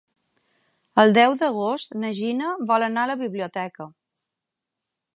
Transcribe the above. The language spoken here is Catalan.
El deu d'agost na Gina vol anar a la biblioteca.